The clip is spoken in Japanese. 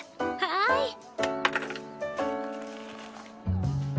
はい。